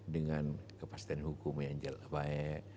dengan kepastian hukum yang baik